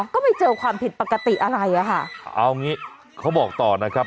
ก็ไม่เจอความผิดปกติอะไรอ่ะค่ะเอางี้เขาบอกต่อนะครับ